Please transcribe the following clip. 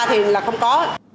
thì là không có